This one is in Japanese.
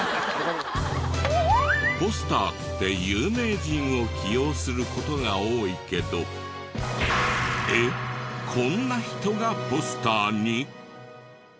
ポスターって有名人を起用する事が多いけどえっこんな人がポスターに！？